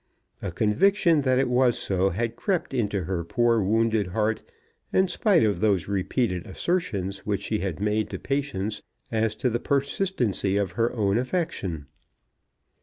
A conviction that it was so had crept into her poor wounded heart, in spite of those repeated assertions which she had made to Patience as to the persistency of her own affection.